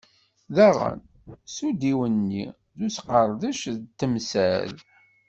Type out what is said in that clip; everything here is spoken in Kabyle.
Daɣen, s udiwenni d usqerdec n temsal.